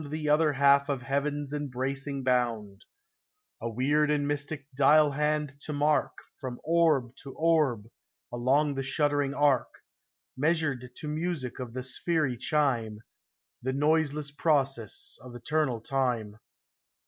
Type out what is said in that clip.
195 The other half of heaven's embracing bound — A weird and mystic dial hand to mark, From orb to orb, along the shuddering arc, Measured to music of the sphery chime, The noiseless process of eternal time.